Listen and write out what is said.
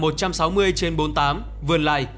một trăm sáu mươi trên bốn mươi tám vườn lài